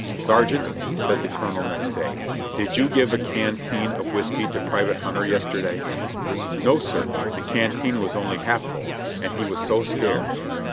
"Sergeant," said the colonel next day, "did you g'we a can teen of whiskey to Private Hunter yesterday?" No, sir — the canteen was only half full, and he was so scared."